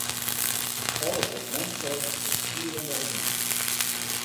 Alles wat mem seit, is hielendal wier.